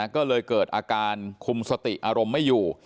ก็เลยเกิดอาการคุมสติอารมณ์ไม่อยู่